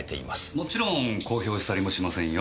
もちろん公表したりもしませんよ。